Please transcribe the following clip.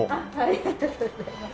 ありがとうございます。